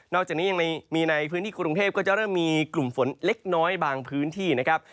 อกจากนี้ยังมีในพื้นที่กรุงเทพก็จะเริ่มมีกลุ่มฝนเล็กน้อยบางพื้นที่นะครับ